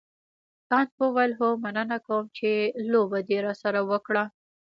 کانت وویل هو مننه کوم چې لوبه دې راسره وکړه.